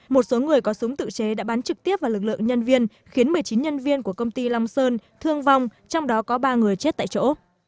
một số người có súng tự chế đã bắn trực tiếp vào lực lượng nhân viên khiến một mươi chín nhân viên của công ty long sơn thương vong trong đó có ba người chết tại chỗ